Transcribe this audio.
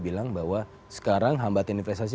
bilang bahwa sekarang hambatan investasi